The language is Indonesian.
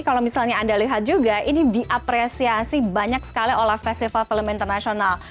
kalau misalnya anda lihat juga ini diapresiasi banyak sekali oleh festival film internasional